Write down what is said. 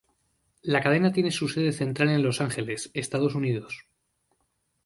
La cadena tiene su sede central en Los Ángeles, Estados Unidos.